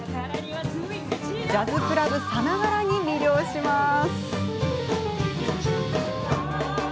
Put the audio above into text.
ジャズクラブさながらに魅了します。